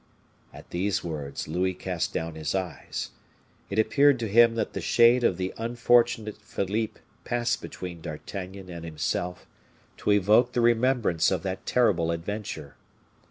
At these words Louis cast down his eyes. It appeared to him that the shade of the unfortunate Philippe passed between D'Artagnan and himself, to evoke the remembrance of that terrible adventure.